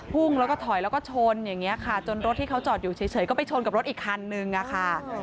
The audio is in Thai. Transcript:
่งแล้วก็ถอยแล้วก็ชนอย่างนี้ค่ะจนรถที่เขาจอดอยู่เฉยก็ไปชนกับรถอีกคันนึงอะค่ะ